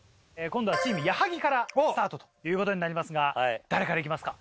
今度はチーム矢作からスタートということになりますが誰から行きますか？